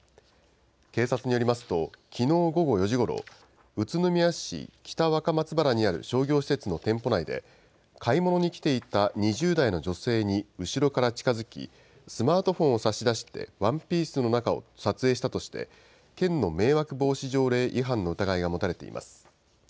警察によりますと、きのう午後４時ごろ、宇都宮市北若松原にある商業施設の店舗内で、買い物に来ていた２０代の女性に後ろから近づき、スマートフォンを差し出してワンピースの中を撮影したとして、県の迷惑防止条例違反の疑いが持たれています。